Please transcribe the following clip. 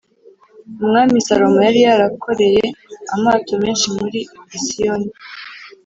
Umwami Salomo yari yarakoreye amato menshi muri Esiyoni